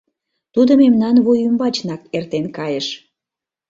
тудо мемнан вуй ӱмбачнак эртен кайыш;